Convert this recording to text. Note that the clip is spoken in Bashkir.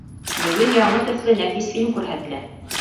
Бөгөн яңы төҫлө нәфис фильм күрһәтелә.